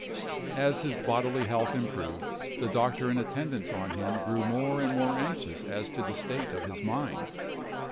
As his bodily health improved, the doctor in attendance on him grew more and more anxious as to the state of his mind.